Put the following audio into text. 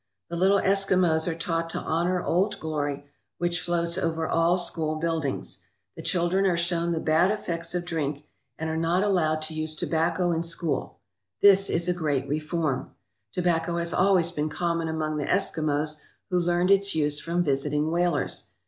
The little Eskimos are taught to honour Old Glory, which floats over all school buildings. The children are shown the bad effects of drink and are not allowed to use tobacco 223 ALASKA OUR NORTHERN WONDERLAND in school. This is a great reform. Tobacco has always been common among the Eskimos, who learned its use from visiting whalers.